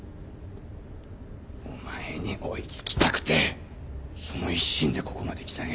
お前に追いつきたくてその一心でここまで来たんや。